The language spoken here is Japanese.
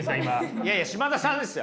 いやいや嶋田さんですよ！